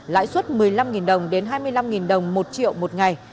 lãi suất một mươi năm đồng đến hai mươi năm đồng một triệu một ngày